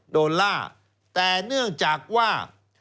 โดนล่าแต่เนื่องจากว่า